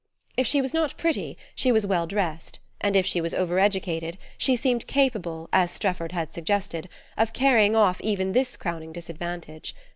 If she was not pretty, she was well dressed; and if she was overeducated, she seemed capable, as Strefford had suggested, of carrying off even this crowning disadvantage.